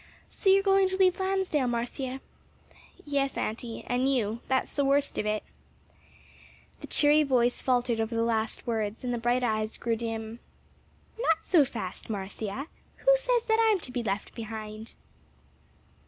So you're going to leave Lansdale, Marcia?" "Yes, auntie; and you; that's the worst of it." The cheery voice faltered over the last words, and the bright eyes grew dim. "Not so fast, Marcia; who says that I'm to be left behind?"